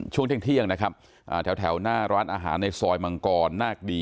ช่วงเที่ยงแต่วเราจะดูร้านอาหารในสอยมังกอดหน้ากดี